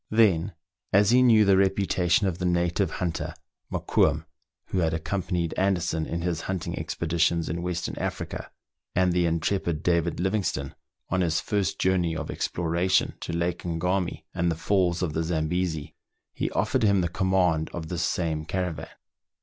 Then, as he knew the reputation of the native hunter, Mokoum, who had accom panied Anderson in his hunting expeditions in Western Africa, and the intrepid David Livingstone on his first journey of exploration to Lake Ngami and the falls of the Zambesi, he offered him the command of this same caravan.